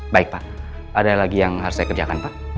baik pak ada lagi yang harus saya kerjakan pak